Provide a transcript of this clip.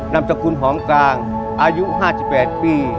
นามสกุลหอมกลางอายุ๕๘ปี